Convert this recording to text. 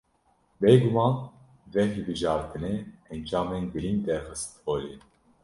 Bê guman vê hilbijartinê, encamên girîng derxist holê